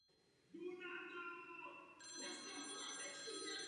Měl tedy obsahovat nadpoloviční většinu vulkanického materiálu.